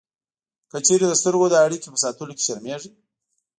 که چېرې د سترګو د اړیکې په ساتلو کې شرمېږئ